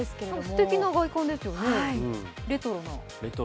すてきな外観ですよね、レトロな。